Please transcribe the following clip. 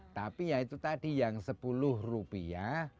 tapi ya itu tadi yang sepuluh rupiah